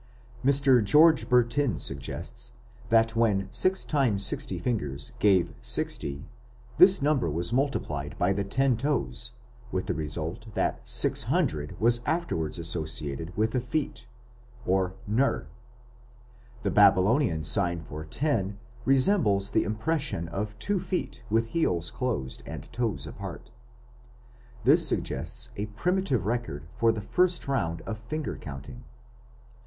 Mr. George Bertin suggests that when 6x10 fingers gave 60 this number was multiplied by the ten toes, with the result that 600 was afterwards associated with the feet (ner). The Babylonian sign for 10 resembles the impression of two feet with heels closed and toes apart. This suggests a primitive record of the first round of finger counting.